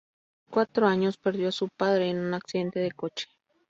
A los cuatro años perdió a su padre en un accidente de coche.